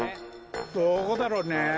どこだろうね。